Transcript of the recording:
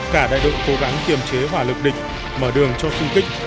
cả đại đội cố gắng kiềm chế hỏa lực địch mở đường cho xung kích